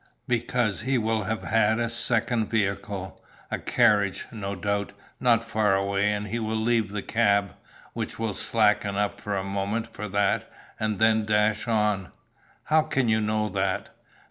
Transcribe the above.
"Because he will have had a second vehicle, a carriage, no doubt, not far away, and he will leave the cab, which will slacken up for a moment for that, and then dash on." "How can you know that?"